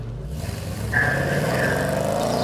Caramuxo Teatro.